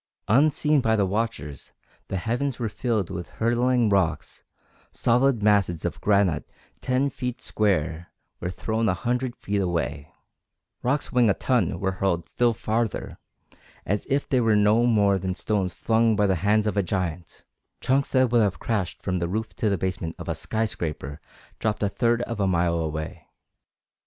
Unseen by the watchers, the heavens were filled with hurtling rocks; solid masses of granite ten feet square were thrown a hundred feet away; rocks weighing a ton were hurled still farther, as if they were no more than stones flung by the hands of a giant; chunks that would have crashed from the roof to the basement of a skyscraper dropped a third of a mile away.